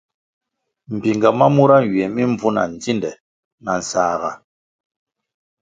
Mbpinga ma mura nywie mi mbvu na ndzinde na nsãhga.